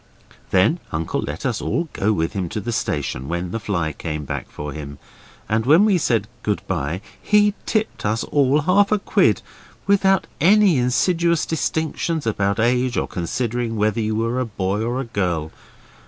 Then Uncle let us all go with him to the station when the fly came back for him; and when we said good bye he tipped us all half a quid, without any insidious distinctions about age or considering whether you were a boy or a girl.